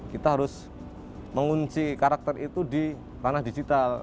kita harus mengunci karakter itu di ranah digital